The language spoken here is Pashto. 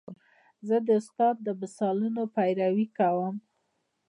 زه د استاد د مثالونو پیروي کوم.